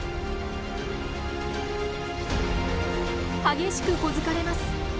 激しく小突かれます。